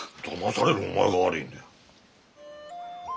だまされるお前が悪いんだよ。